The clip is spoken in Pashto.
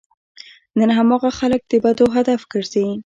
نن هماغه خلک د بدو هدف ګرځي.